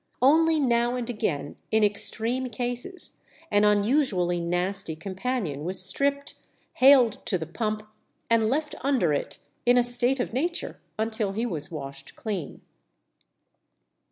Only now and again, in extreme cases, an unusually nasty companion was stripped, haled to the pump, and left under it in a state of nature until he was washed clean.